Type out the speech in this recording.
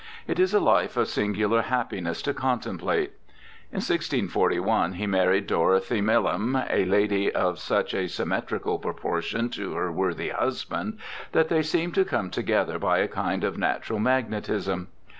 It is a hfe of singular happiness to contemplate. In 1641 he married Dorothy Mileham, ' a lady of such a symmetrical propor tion to her worthy husband— that they seemed to come together by a kind of natural magnetism.'